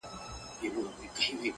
و چاته چي ښوولی پېړۍ مخکي ما تکبیر دی,